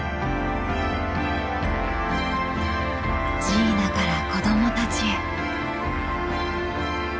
ジーナから子どもたちへ。